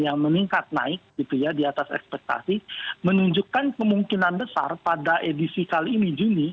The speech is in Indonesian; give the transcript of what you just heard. yang meningkat naik gitu ya di atas ekspektasi menunjukkan kemungkinan besar pada edisi kali ini juni